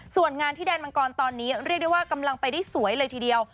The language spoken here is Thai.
ส่วนงานที่แดนมังกรตอนนี้เรียกได้ว่ากำลังไปได้สวยเลยทีเดียว